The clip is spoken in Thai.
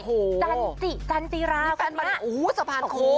โอ้โหจันติจันติราค่ะนี่แฟนมาริโอ้สะพานโค้ง